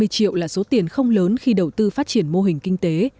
ba mươi triệu là số tiền không lớn khi đầu tư phát triển mô hình kinh tế